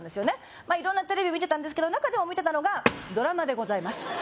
まあ色んなテレビ見てたんですけど中でも見てたのがドラマでございます